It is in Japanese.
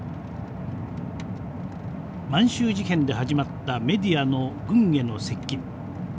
満州事変で始まったメディアの軍への接近。